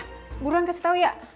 gua orang yang kasih tau ya